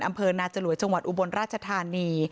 อำเภอนาจลวยจังหวัดอุบลราชธานี